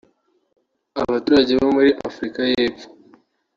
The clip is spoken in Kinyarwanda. Abaturage bo muri Afrika y’Epfo